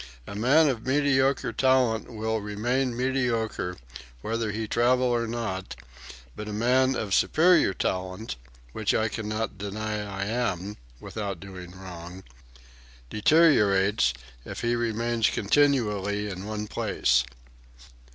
A man of mediocre talent will remain mediocre whether he travel or not; but a man of superior talent (which I can not deny I am, without doing wrong) deteriorates if he remains continually in one place."